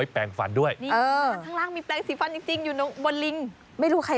แก้วน้ำ